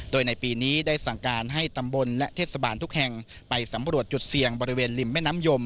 โดยในปีนี้ได้สั่งการให้ตำบลและเทศบาลทุกแห่งไปสำรวจจุดเสี่ยงบริเวณริมแม่น้ำยม